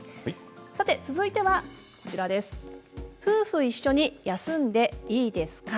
続いては夫婦一緒に休んでいいですか。